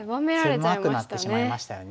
狭くなってしまいましたよね。